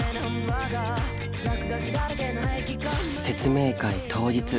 説明会当日。